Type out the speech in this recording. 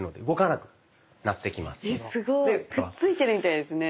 くっついてるみたいですね。